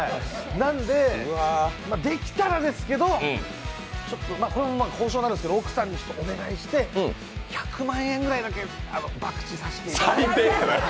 なんで、できたらですけど、これは交渉なんですけど奥さんにちょっとお願いして１００万円ぐらいだけばくちさせていただいて。